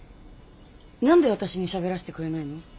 何で私にしゃべらせてくれないの？